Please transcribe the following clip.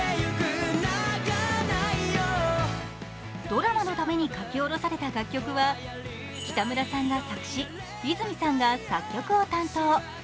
ドラマのために書き下ろされた楽曲は、北村さんが作詞、泉さんが作曲を担当。